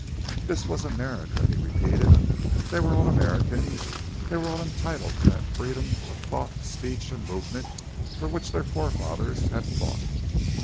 This was America, he repeated; they were all Americans; they were all entitled to that freedom of thought, speech, and movement for which their forefathers had fought.